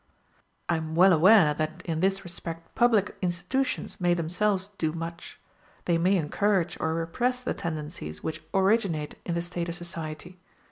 I am well aware that it this respect public institutions may themselves do much; they may encourage or repress the tendencies which originate in the state of society.